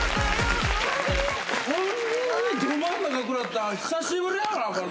こんなにど真ん中食らったの、久しぶりやな、今。